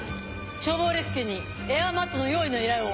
消防レスキューにエアマットの用意の依頼を。